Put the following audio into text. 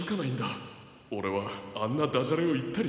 オレはあんなダジャレをいったりしないぞ。